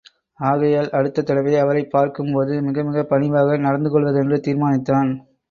ஆகையால், அடுத்த தடவை அவரைப் பார்க்கும்போது, மிகமிகப் பணிவாக நடந்து கொள்வதென்று தீர்மானித்தான்.